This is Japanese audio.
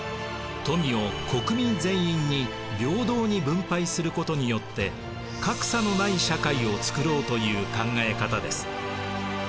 富を国民全員に平等に分配することによって格差のない社会をつくろうという考え方です。